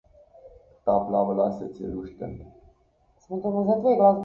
Ta plavolasec je lušten.